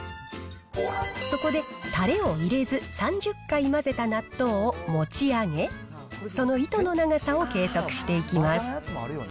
そこで、たれを入れず３０回混ぜた納豆を持ち上げ、その糸の長さを計測していきます。